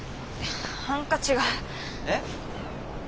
ハンカチが。えっ？